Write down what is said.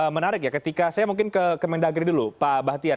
menarik ya ketika saya mungkin ke kemendagri dulu pak bahtiar